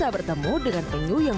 apakah tempatnya bagus tend varamu